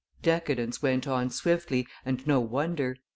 Decadence went on swiftly, and no wonder.